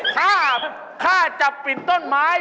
ข้าข้าจะปีนต้นไม้